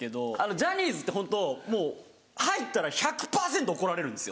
ジャニーズってホントもう入ったら１００％怒られるんですよ